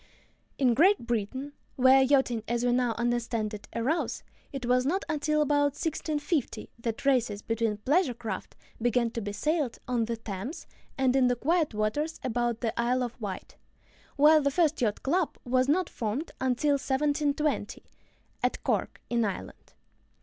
In Great Britain, where yachting, as we now understand it, arose, it was not until about 1650 that races between pleasure craft began to be sailed on the Thames and in the quiet waters about the Isle of Wight, while the first yacht club was not formed until 1720 (at Cork, in Ireland).